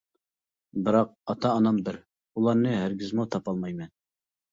بىراق ئاتا-ئانام بىر، ئۇلارنى ھەرگىزمۇ تاپالمايمەن.